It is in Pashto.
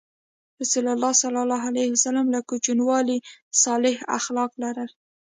رسول الله ﷺ له کوچنیوالي صالح اخلاق لرل.